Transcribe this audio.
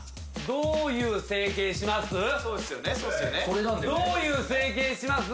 どういう整形します？